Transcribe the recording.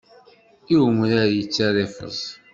I umrar yettara i feẓ.